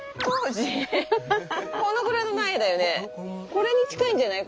これに近いんじゃない？